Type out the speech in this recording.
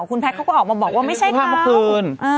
คุณแพทย์เขาก็ออกมาบอกว่าไม่ใช่แค่เมื่อคืน